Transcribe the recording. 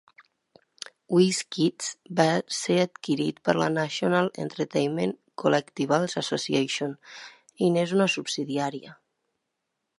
WizKids va ser adquirit per la National Entertainment Collectibles Association i n'és una subsidiària.